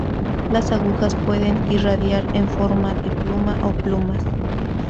Las agujas pueden irradiar en forma de pluma o plumas.